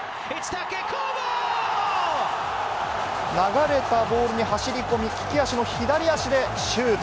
流れたボールに走り込み、利き足の左足でシュート。